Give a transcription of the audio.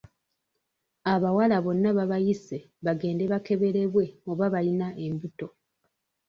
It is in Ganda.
Abawala bonna babayise bagende bakeberebwe oba bayina embuto.